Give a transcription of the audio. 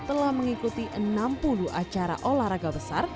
telah mengikuti enam puluh acara olahraga besar